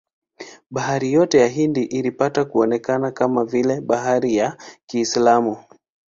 Bahari yote ya Hindi ilipata kuonekana kama vile bahari ya Kiislamu.